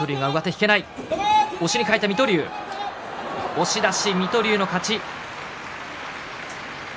押し出し、水戸龍の勝ち。